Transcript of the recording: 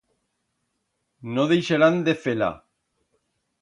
No deixarán de fer-la!